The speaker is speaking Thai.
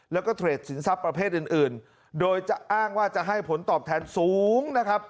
แล้วก็เทรดสินทรัพย์ประเภทอื่นโดยจะอ้างว่าจะให้ผลตอบแทนสูงนะครับ